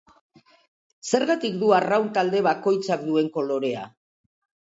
Zergatik du arraun talde bakoitzak duen kolorea?